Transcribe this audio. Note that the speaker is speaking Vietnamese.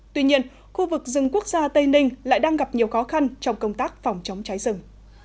tuy nhiên khu vực rừng quốc gia tây ninh lại đang gặp nhiều khó khăn trong công tác phòng chống cháy rừng